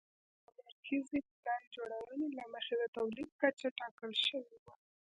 متمرکزې پلان جوړونې له مخې د تولید کچه ټاکل شوې وه.